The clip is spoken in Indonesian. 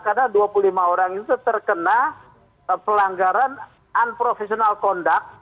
karena dua puluh lima orang itu terkena pelanggaran unprofessional conduct